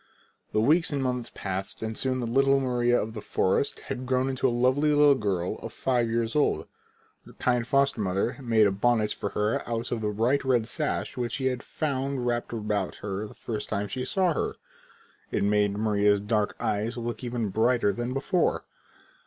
The weeks and months passed and soon the little Maria of the forest had grown into a lovely little girl five years old. Her kind foster mother made a bonnet for her out of the bright red sash which she had found wrapped about her the first time she saw her. It made Maria's dark eyes look even brighter than before.